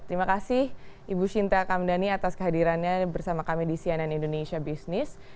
terima kasih ibu shinta kamdhani atas kehadirannya bersama kami di cnn indonesia business